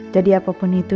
jadi apapun itu